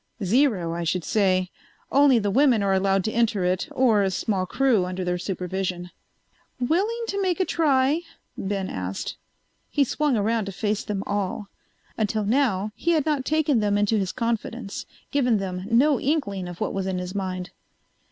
"Zero, I should say. Only the women are allowed to enter it, or a small crew under their supervision." "Willing to make a try?" Ben asked. He swung around to face them all. Until now he had not taken them into his confidence, given them no inkling of what was in his mind.